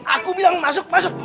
aku bilang masuk masuk